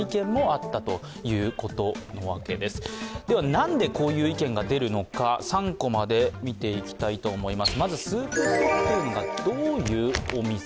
なぜ、こういう意見が出るのか、３コマで見ていきたいと思います。